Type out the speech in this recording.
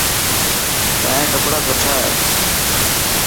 تايان ڪيڙا سٺا هي.